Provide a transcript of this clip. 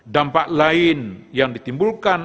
dampak lain yang ditimbulkan